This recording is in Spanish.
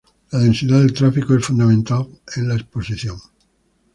La densidad del tráfico es fundamental en la exposición.